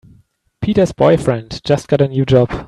Peter's boyfriend just got a new job.